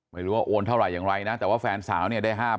ไม่รู้ว่าโอนเท่าไหร่อย่างไรนะแต่ว่าแฟนสาวเนี่ยได้๕๐๐